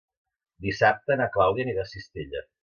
Dissabte na Clàudia anirà a Cistella.